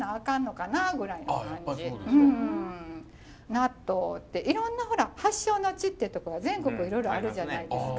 納豆っていろんなほら発祥の地っていうところが全国いろいろあるじゃないですか。